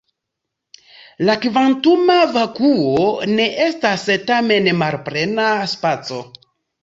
La kvantuma vakuo ne estas tamen malplena spaco.